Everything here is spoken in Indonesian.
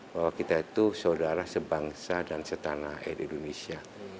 bahwa kita itu saudara sebangsa dan setanah air indonesia